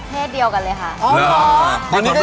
เดียวกันเลยค่ะ